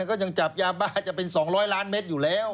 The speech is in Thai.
ก็ยังจับยาบ้าจะเป็น๒๐๐ล้านเมตรอยู่แล้ว